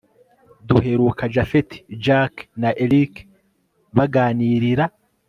duheruka japhet, jack na erick baganirira